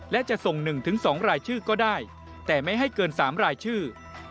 และจะส่ง๑๒รายชื่อก็ได้แต่ไม่ให้เกิน๓รายชื่อ